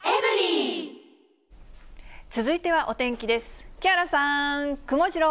続いてはお天気です。